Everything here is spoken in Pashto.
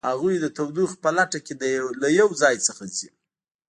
هغوی د تودوخې په لټه کې له یو ځای څخه ځي